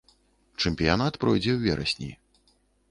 Чэмпіянат пройдзе ў верасні.